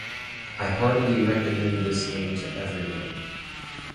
I heartily recommend this game to everyone.